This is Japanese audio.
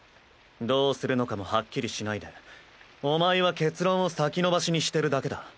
どうするのかもはっきりしないでお前は結論を先延ばしにしてるだけだ。